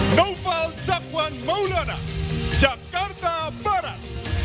noval sapuan maulana jakarta barat